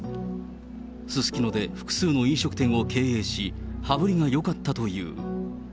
すすきので複数の飲食店を経営し、羽振りがよかったという。